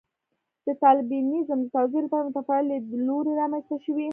د طالبانیزم د توضیح لپاره متفاوت لیدلوري رامنځته شوي.